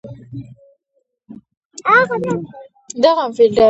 د یو بل د خوښیو او غمونو ملګري شئ.